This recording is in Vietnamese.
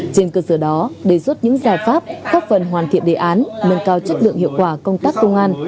trên cơ sở đó đề xuất những giải pháp góp phần hoàn thiện đề án nâng cao chất lượng hiệu quả công tác công an